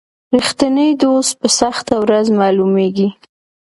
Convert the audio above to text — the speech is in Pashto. رښتینی دوست په سخته ورځ معلومیږي.